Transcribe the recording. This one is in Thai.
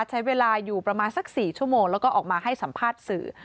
ใช้เวลาอยู่ประมาณสัก๔ชั่วโมงแล้วก็ออกมาให้สัมภาษณ์สื่อ